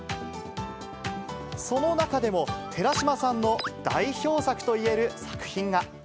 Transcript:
その中でも、寺島さんの代表作といえる作品が。